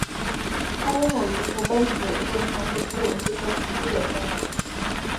他拥有一部奔驰并从事古董汽车出租的生意。